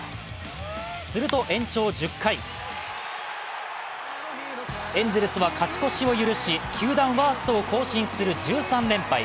すると延長１０回エンゼルスは勝ち越しを許し球団ワーストの１３連敗。